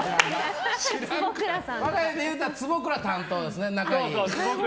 我が家でいうと坪倉さんですね。